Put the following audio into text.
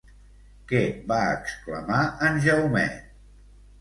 Què va exclamar en Jaumet?